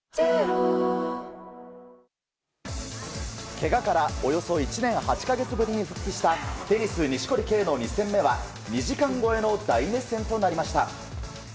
けがからおよそ１年８か月ぶりに復帰したテニス、錦織圭の２戦目は２時間超えの大熱戦となりました。